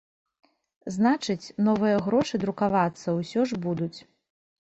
Значыць, новыя грошы друкавацца ўсё ж будуць.